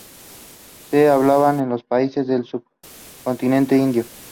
Se hablan en los países del subcontinente indio.